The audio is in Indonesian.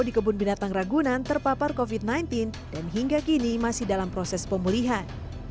di kebun binatang ragunan terpapar covid sembilan belas dan hingga kini masih dalam proses pemulihan